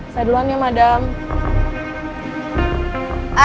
saya duluan ya madame